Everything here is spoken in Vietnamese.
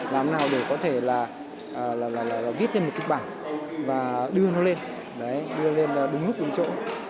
làm thế nào để có thể viết lên một kịch bản và đưa nó lên đưa nó lên đúng lúc đúng chỗ